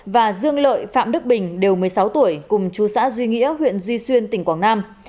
và dương lợi phạm đức bình đều một mươi sáu tuổi cùng chú xã duy nghĩa huyện duy xuyên tỉnh quảng nam